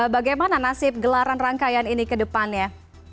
bagaimana nasib gelaran rangkaian ini ke depannya